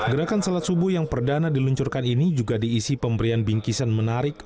gerakan salat subuh yang perdana diluncurkan ini juga diisi pemberian bingkisan menarik